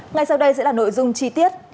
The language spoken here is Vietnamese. ngay sau đây sẽ là nội dung chi tiết